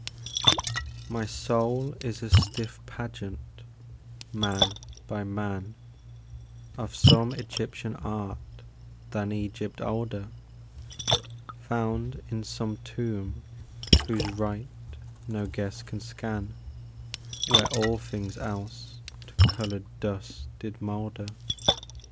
My soul is a stiff pageant, man by man, Of some Egyptian art than Egypt older, Found in some tomb whose rite no guess can scan, Where all things else to coloured dust did moulder.